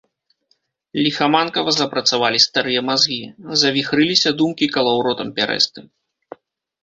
Ліхаманкава запрацавалі старыя мазгі, завіхрыліся думкі калаўротам пярэстым.